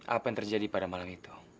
apa yang terjadi pada malam itu